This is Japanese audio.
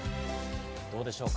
どうでしょうか？